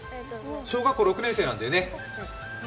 小学校６年生なんだよね。